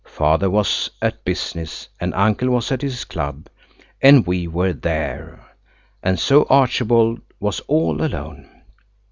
Father was at business and uncle was at his club. And we were there. And so Archibald was all alone.